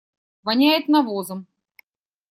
Воняет навозом.